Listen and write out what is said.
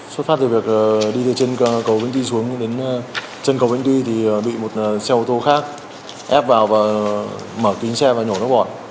xuất phát từ việc đi từ trên cầu vĩnh tuy xuống đến trên cầu vĩnh tuy thì bị một xe ô tô khác ép vào và mở kính xe và nhổ nó bọn